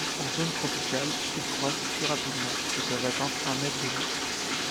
En zone tropicale, ils croissent plus rapidement et peuvent atteindre un mètre de long.